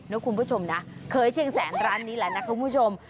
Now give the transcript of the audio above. คุณผู้ชมนะเคยเชียงแสนร้านนี้แหละนะคุณผู้ชม